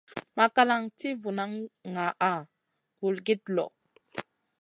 Makalan ti vunan ŋaʼa vulgit lõ.